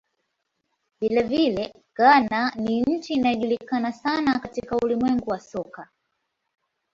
Vilevile, Ghana ni nchi inayojulikana sana katika ulimwengu wa soka.